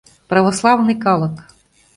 Православный калык!